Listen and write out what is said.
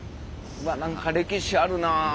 何か歴史あるな。